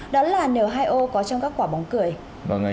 đó là n hai o có trong các quả bóng cười